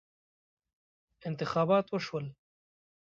انتخابات وشول.